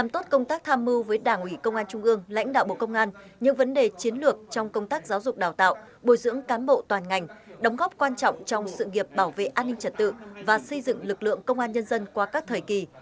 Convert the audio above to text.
làm tốt công tác tham mưu với đảng ủy công an trung ương lãnh đạo bộ công an những vấn đề chiến lược trong công tác giáo dục đào tạo bồi dưỡng cán bộ toàn ngành đóng góp quan trọng trong sự nghiệp bảo vệ an ninh trật tự và xây dựng lực lượng công an nhân dân qua các thời kỳ